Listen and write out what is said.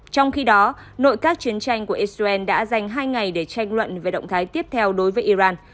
trong khi đó nội các chiến tranh của israel đã dành hai ngày để tranh luận về động thái tiếp theo đối với iran